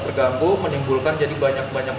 terganggu menimbulkan jadi banyak banyak